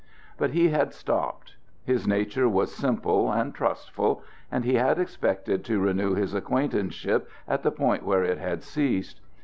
But he had stopped. His nature was simple and trustful, and he had expected to renew his acquaintanceship at the point where it had ceased.